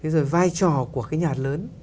rồi vai trò của cái nhà hát lớn